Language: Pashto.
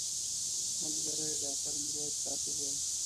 ملګري ډاکټر میرویس راته وویل.